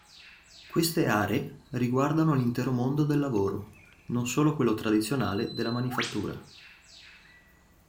Queste aree riguardano l'intero mondo del lavoro, non solo quello tradizionale della manifattura.